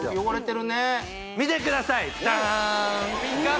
汚れてるね見てくださいダーン！